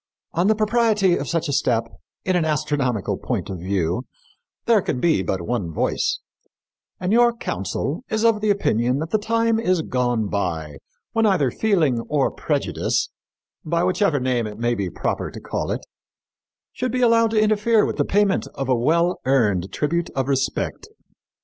On the propriety of such a step, in an astronomical point of view, there can be but one voice; and your council is of the opinion that the time is gone by when either feeling or prejudice, by whichever name it may be proper to call it, should be allowed to interfere with the payment of a well earned tribute of respect.